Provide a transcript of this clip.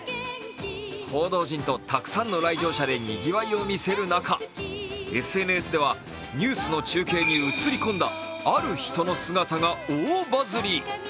報道陣とたくさんの来場者でにぎわいを見せる中、ＳＮＳではニュースの中継に映り込んだある人の姿が大バズり。